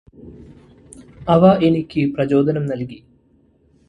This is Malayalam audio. അവ എനിക്ക് പ്രചോദനം നല്കി